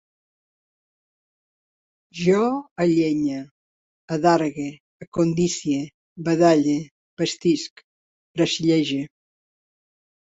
Jo allenye, adargue, acondicie, badalle, bastisc, bracillege